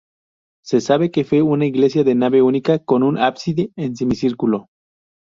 Se sabe que fue una iglesia de nave única con un ábside en semicírculo.